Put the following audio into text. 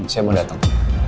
saya mau datang